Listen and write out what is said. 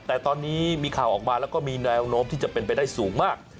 แต่ตอนนี้มีข่าวออกมาแล้วก็มีแนวโน้มที่จะเป็นไปได้สูงมาก